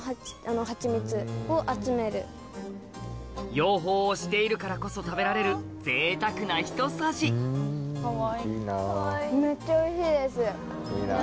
養蜂をしているからこそ食べられるぜいたくな一さじんいいな。いいな。